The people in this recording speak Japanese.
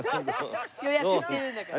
予約してるんだから。